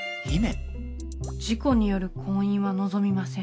事故による婚姻は望みません。